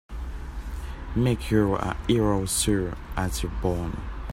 Make you're a hero sure as you're born!